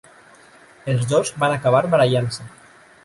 Els dos van acabar barallant-se.